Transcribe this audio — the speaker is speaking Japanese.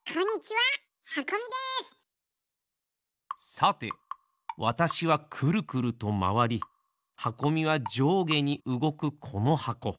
さてわたしはクルクルとまわりはこみがじょうげにうごくこの箱。